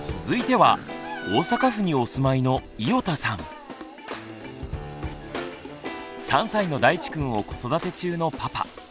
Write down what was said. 続いては大阪府にお住まいの３歳のだいちくんを子育て中のパパ。